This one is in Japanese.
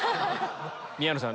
宮野さん